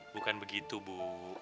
bukan begitu bu